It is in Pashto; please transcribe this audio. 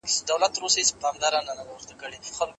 دوی باید د راتلونکو نسلونو فکر وکړي.